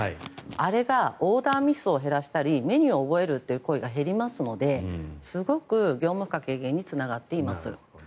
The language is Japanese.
あれがオーダーミスを減らしたりメニューを覚えるという行為が減りますのですごく業務負荷軽減につながっています。